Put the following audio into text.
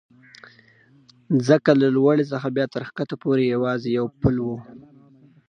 ځکه له لوړې څخه بیا تر کښته پورې یوازې یو پل و.